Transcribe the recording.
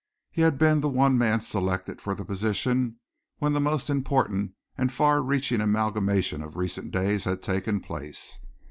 He had been the one man selected for the position when the most important and far reaching amalgamation of recent days had taken place.